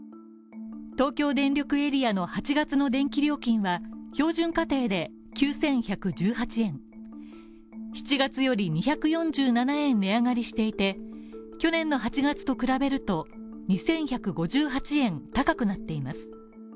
東京電力エリアの８月の電気料金は標準家庭で９１１８円、７月より２４７円値上がりしていて去年の８月と比べると２１５８円高くなっています。